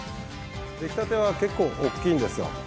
できたては結構大きいんですよ。